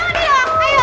yeay semoga dia